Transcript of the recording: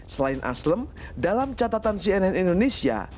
selain aslem dalam catatan cnn indonesia